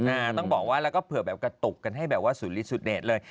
ต้องบอกว่าแล้วก็เผื่อแบบกระตุกกันให้แบบว่าสุริสุดเดชเลย